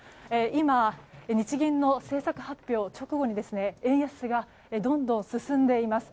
今、日銀の政策発表直後に円安が、どんどん進んでいます。